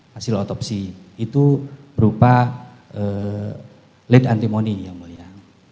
hasil otopsi itu berupa lead antimony yang mulia